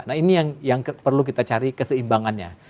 nah ini yang perlu kita cari keseimbangannya